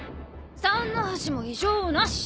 三の橋も異常なし。